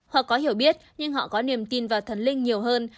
hoặc có hiểu biết nhưng họ có niềm tin vào thần linh nhiều hơn